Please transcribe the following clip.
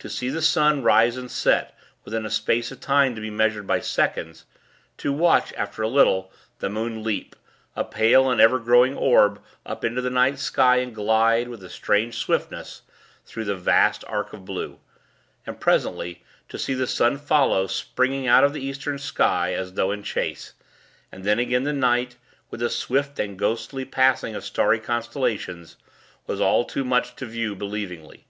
To see the sun rise and set, within a space of time to be measured by seconds; to watch (after a little) the moon leap a pale, and ever growing orb up into the night sky, and glide, with a strange swiftness, through the vast arc of blue; and, presently, to see the sun follow, springing out of the Eastern sky, as though in chase; and then again the night, with the swift and ghostly passing of starry constellations, was all too much to view believingly.